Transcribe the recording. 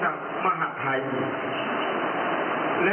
ก็ยังไม่รู้ว่ามันจะยังไม่รู้ว่า